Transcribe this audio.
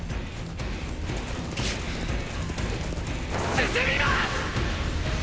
進みます！！